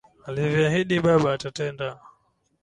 Alivyoahidi baba atatenda.